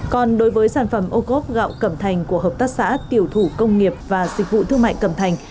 còn đối với sản phẩm ô cốp gạo cẩm thành của hợp tác xã tiểu thủ công nghiệp và dịch vụ thương mại cẩm thành